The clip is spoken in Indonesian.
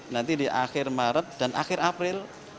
nanti di akhir maret dan akhir april